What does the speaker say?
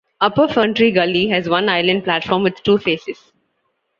Upper Ferntree Gully has one island platform with two faces.